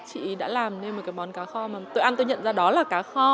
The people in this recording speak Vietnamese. chị đã làm nên một cái món cá kho mà tôi ăn tôi nhận ra đó là cá kho